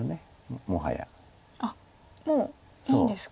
あっもういいんですか。